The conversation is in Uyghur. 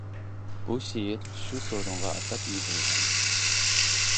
بۇ شېئىر شۇ سورۇنغا ئاتاپ يېزىلغان.